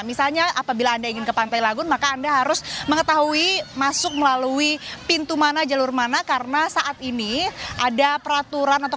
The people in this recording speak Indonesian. misalnya apabila anda ingin ke pantai lagun maka anda harus mengetahui masuk melalui pintu mana jalur mana karena saat ini ada peraturan